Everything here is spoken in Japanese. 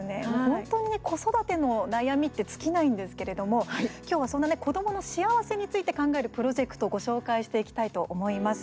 本当に、子育ての悩みって尽きないんですけれどもきょうは、そんな子どもの幸せについて考えるプロジェクトをご紹介していきたいと思います。